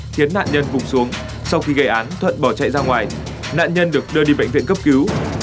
khiến nạn nhân vùng xuống sau khi gây án thuận bỏ chạy ra ngoài nạn nhân được đưa đi bệnh viện cấp cứu